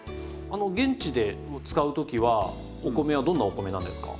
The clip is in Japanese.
現地で使う時はお米はどんなお米なんですか？